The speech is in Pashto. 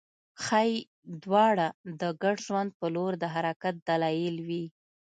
ښايي دواړه د ګډ ژوند په لور د حرکت دلایل وي